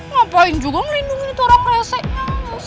ngapain juga melindungi itu orang kresek